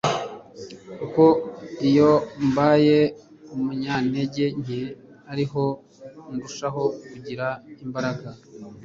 Kuko iyo mbaye umunyantege nke ari ho ndushaho kugira imbaraga